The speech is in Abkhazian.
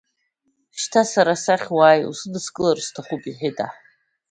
Шьҭа сара сахь уааи, усыдыскылар сҭахуп, — иҳәет аҳ.